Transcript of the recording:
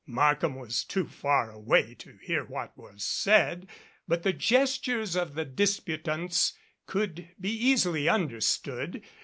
Markham was too far away to hear what was said, but the gestures of the disputants could be easily understood.